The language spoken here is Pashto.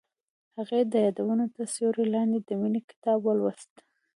هغې د یادونه تر سیوري لاندې د مینې کتاب ولوست.